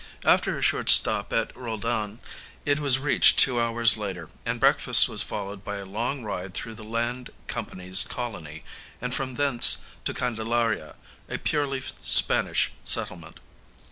After a short stop at Roldan, it was reached two hours later, and breakfast was followed by a long ride through the Land Company's colony, and from thence to Candelaria, a purely Spanish settlement.